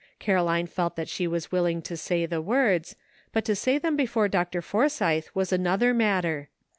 Caro line felt that she was willing to say the words, but to say them before Dr. Forsythe was another matter.